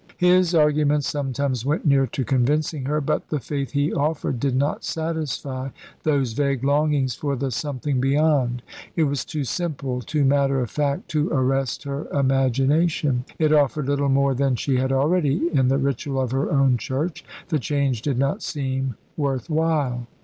His arguments sometimes went near to convincing her; but the Faith he offered did not satisfy those vague longings for the something beyond. It was too simple, too matter of fact to arrest her imagination. It offered little more than she had already in the ritual of her own Church. The change did not seem worth while.